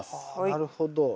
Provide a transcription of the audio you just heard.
なるほど。